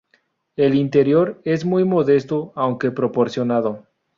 El interior es muy modesto aunque proporcionado.